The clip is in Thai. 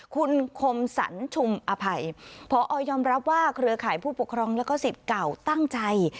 คุณคมสรรชุมอภัยพอยอมรับว่าเครือข่ายผู้ปกครองแล้วก็สิทธิ์เก่าตั้งใจ